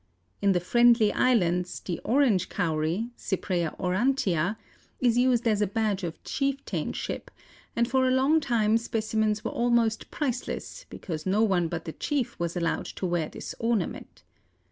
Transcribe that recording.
In the Friendly Islands the orange cowry (Cypraea aurantia) is used as a badge of chieftainship and for a long time specimens were almost priceless because no one but the chief was allowed to wear this ornament.